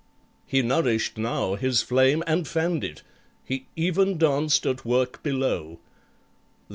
He nourished now his flame and fanned it, He even danced at work below.